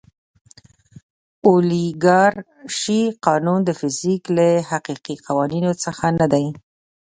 اولیګارشي قانون د فزیک له حقیقي قوانینو څخه نه دی.